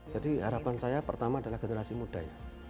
jadi harapan saya pertama adalah generasi muda ya